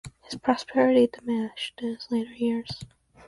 His prosperity diminished in his later years.